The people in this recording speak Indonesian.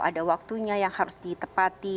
ada waktunya yang harus ditepati